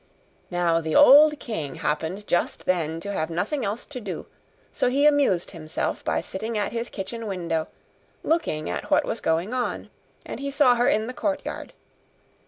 Now the old king happened just then to have nothing else to do; so he amused himself by sitting at his kitchen window, looking at what was going on; and he saw her in the courtyard.